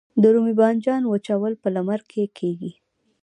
د رومي بانجان وچول په لمر کې کیږي؟